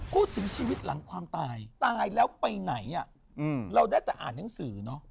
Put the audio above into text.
พูดถึงชีวิตหลังความตายตายแล้วไปไหนเราได้แต่อ่านหนังสือเนอะ